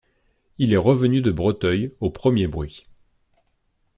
Il est revenu de Breteuil, aux premiers bruits.